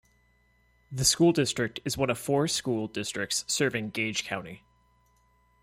The school district is one of four school districts serving Gage County.